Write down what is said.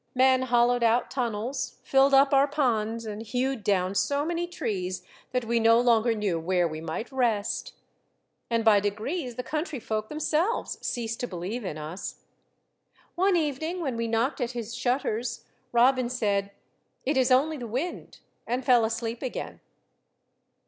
Men hollowed out tunnels, filled up our ponds, and hewed down so many trees that we no longer knew where we might rest. And by degrees the country folk themselves ceased to be lieve in us. One evening, when we knocked at his shutters, Robin said, " It is only the wind," and fell asleep again.